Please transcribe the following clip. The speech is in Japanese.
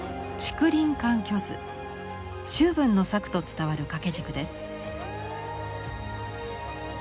周文の作と伝わる掛け軸です。